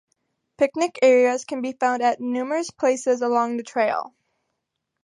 Picnic areas can be found at numerous places along the trail.